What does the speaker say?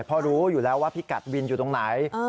เพราะรู้อยู่แล้วว่าพี่กัดวินอยู่ตรงไหน